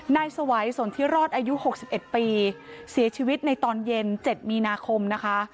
นายสวัยสนทิรอดอายุ๖๑ปีเสียชีวิตในตอนเย็น๗มีนาคมนะคะ